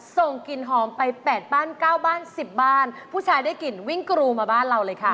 ส่งกลิ่นหอมไป๘บ้าน๙บ้าน๑๐บ้านผู้ชายได้กลิ่นวิ่งกรูมาบ้านเราเลยค่ะ